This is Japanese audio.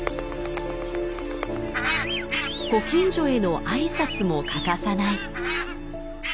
ご近所への挨拶も欠かさない。